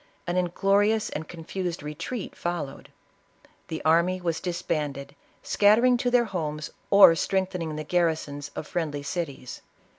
An inglorious and confused retreat followed. The army was disbanded; scattering to their homes or strengthening the gar risons of friendly cities.